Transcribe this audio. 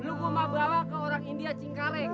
lu bawa ke orang india cingkaleng